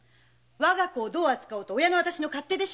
わが子をどう扱おうと親のあたしの勝手でしょ